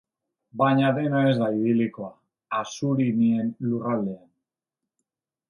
Baina dena ez da idilikoa assurinien lurraldean.